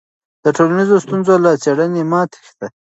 د ټولنیزو ستونزو له څېړنې مه تېښته.